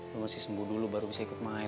lo mesti sembuh dulu baru bisa ikut main